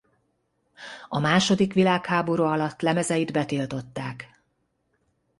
A második világháború alatt lemezeit betiltották.